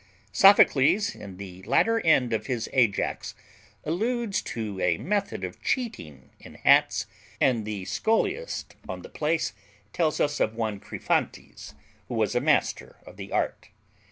Sophocles, in the latter end of his Ajax, alludes to a method of cheating in hats, and the scholiast on the place tells us of one Crephontes, who was a master of the art.